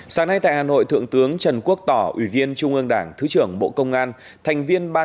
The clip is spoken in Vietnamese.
sáng nay tại hà nội thượng tướng trần quốc tỏ ủy viên trung ương đảng thứ trưởng bộ công an